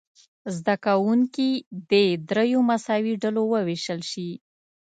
زده کوونکي دې دریو مساوي ډلو وویشل شي.